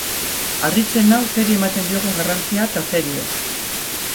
Harritzen nau zeri ematen diogun garrantzia eta zeri ez.